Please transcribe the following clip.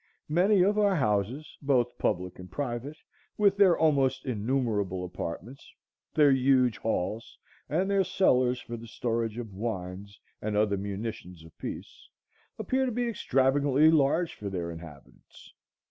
Many of our houses, both public and private, with their almost innumerable apartments, their huge halls and their cellars for the storage of wines and other munitions of peace, appear to me extravagantly large for their inhabitants.